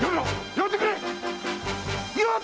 やめてくれっ‼